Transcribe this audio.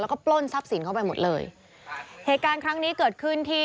แล้วก็ปล้นทรัพย์สินเข้าไปหมดเลยเหตุการณ์ครั้งนี้เกิดขึ้นที่